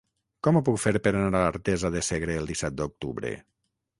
Com ho puc fer per anar a Artesa de Segre el disset d'octubre?